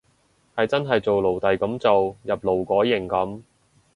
係真係做奴隸噉做，入勞改營噉